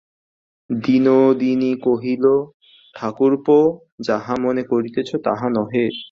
বিনোদিনী কহিল, ঠাকুরপো, যাহা মনে করিতেছ, তাহা নহে।